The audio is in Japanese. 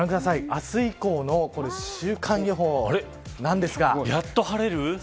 明日以降の週間予報なんですがやっと晴れる。